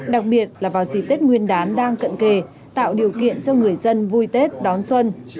đặc biệt là vào dịp tết nguyên đán đang cận kề tạo điều kiện cho người dân vui tết đón xuân